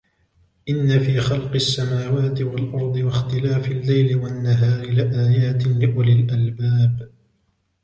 إِنَّ فِي خَلْقِ السَّمَاوَاتِ وَالْأَرْضِ وَاخْتِلَافِ اللَّيْلِ وَالنَّهَارِ لَآيَاتٍ لِأُولِي الْأَلْبَابِ